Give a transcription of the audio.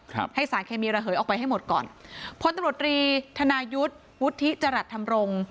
ครับให้สารเคมีระเหยออกไปให้หมดก่อนพตธนายุทธ์วุฒิจรัทธรรมรงค์